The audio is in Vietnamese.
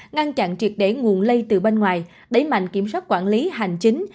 ngăn chặn triệt để nguồn lây từ bên ngoài đẩy mạnh kiểm soát quản lý hành chính